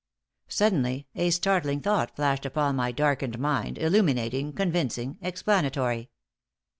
Suddenly a startling thought flashed upon my darkened mind, illuminating, convincing, explanatory.